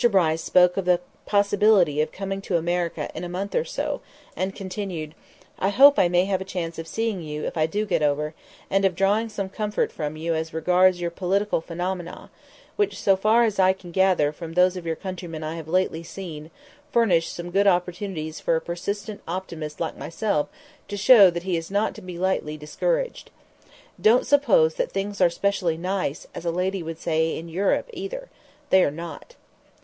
Bryce spoke of the possibility of coming to America in a month or so, and continued: "I hope I may have a chance of seeing you if I do get over, and of drawing some comfort from you as regards your political phenomena, which, so far as I can gather from those of your countrymen I have lately seen, furnish some good opportunities for a persistent optimist like myself to show that he is not to be lightly discouraged. Don't suppose that things are specially 'nice,' as a lady would say, in Europe either. They are not."